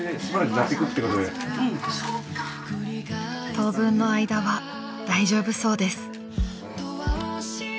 ［当分の間は大丈夫そうです］